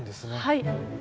はい。